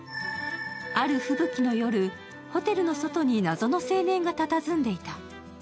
ある吹雪の夜、ホテルの外に謎の青年がたたずんでいた。